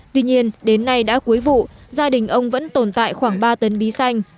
tuy nhiên đến nay đã cuối vụ gia đình ông vẫn tồn tại khoảng ba tấn bí xanh